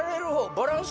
バランス